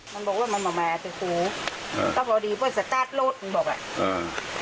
มันบอกว่ามันมาเตือนคูต้องพอดีเพราะว่าสตาร์ทโลดมันบอกแหละ